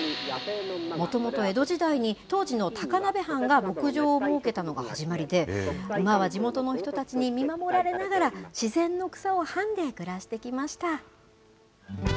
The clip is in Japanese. もともと江戸時代に、当時の高鍋藩が牧場を設けたのが始まりで、馬は地元の人たちに見守られながら、自然の草をはんで暮らしてきました。